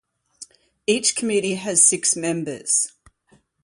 Each committee has six members.